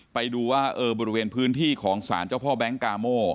ไปดูว่าบริเวณพื้นที่ของศาลเจ้าพ่อแบงค์กาโม